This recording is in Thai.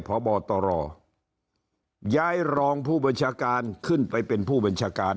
พบตรย้ายรองผู้บัญชาการขึ้นไปเป็นผู้บัญชาการ